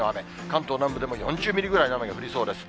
関東南部でも４０ミリぐらいの雨が降りそうです。